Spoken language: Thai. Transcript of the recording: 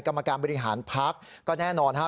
กรรมการบริหารพักก็แน่นอนฮะ